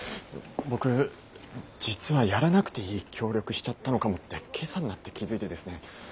僕実はやらなくていい協力しちゃったのかもって今朝になって気付いてですね。